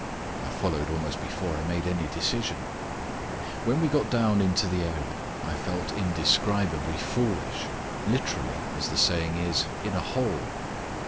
I followed almost before I made any decision. When we got down into the area I felt indescribably foolish literally, as the saying is, in a hole.